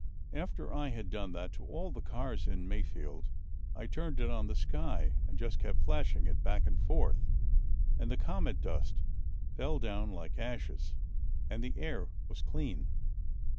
After I had done that to all the cars in Mayfield I turned it on the sky and just kept flashing it back and forth and the comet dust fell down like ashes and the air was clean."